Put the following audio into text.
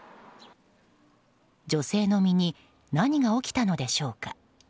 女性の身に何が起きたのでしょうか。